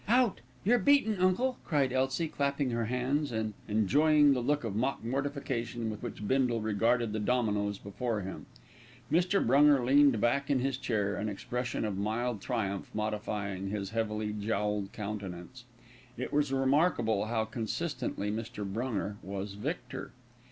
"Out! You're beaten, uncle," cried Elsie, clapping her hands, and enjoying the look of mock mortification with which Bindle regarded the dominoes before him. Mr. Brunger leaned back in his chair, an expression of mild triumph modifying his heavily jowled countenance. It was remarkable how consistently Mr. Brunger was victor.